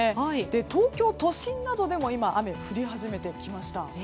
東京都心などでも雨降り始めてきました。